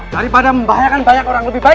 daripada membahayakan banyak orang lebih baik